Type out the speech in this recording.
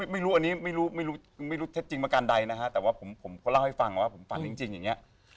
ไม่รู้อันนี้ไม่รู้ไม่รู้เท็จจริงประการใดนะฮะแต่ว่าผมก็เล่าให้ฟังว่าผมฝันจริงอย่างนี้